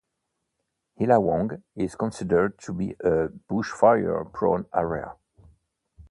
Illawong is considered to be a bushfire prone area.